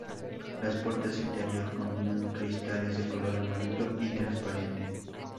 Las puertas interior combinan cristales de color amarillo y transparente.